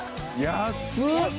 安い！